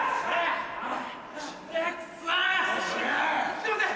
すいません！